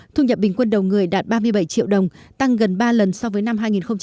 thu nhập bình quân đầu người đạt ba mươi bảy triệu đồng tăng gần ba lần so với năm hai nghìn một mươi